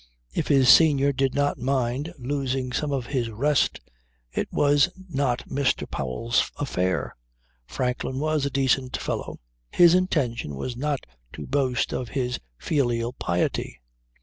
If his senior did not mind losing some of his rest it was not Mr. Powell's affair. Franklin was a decent fellow. His intention was not to boast of his filial piety.